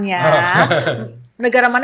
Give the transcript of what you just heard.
ya negara mana